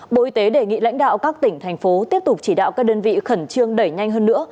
bộ y tế đề nghị lãnh đạo các tỉnh thành phố tiếp tục chỉ đạo các đơn vị khẩn trương đẩy nhanh hơn nữa